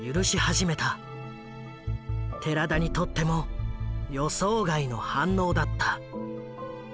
寺田にとっても予想外の反応だった。